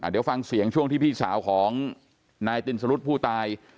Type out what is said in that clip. เดี๋ยวฟังเสียงช่วงที่พี่สาวของนายตินสรุธผู้ตาย